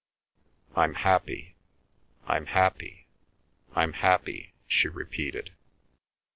"I'm happy, I'm happy, I'm happy," she repeated.